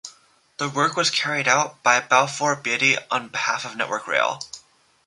The work was carried out by Balfour Beatty on behalf of Network Rail.